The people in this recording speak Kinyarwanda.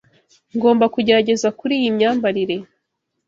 Ngomba kugerageza kuri iyi myambarire.